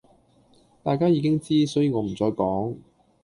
大家已經知,所以我唔再講